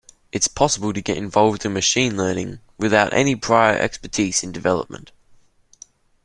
It's possible to get involved in machine learning without any prior expertise in development.